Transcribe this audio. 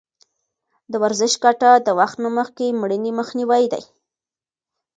د ورزش ګټه د وخت نه مخکې مړینې مخنیوی دی.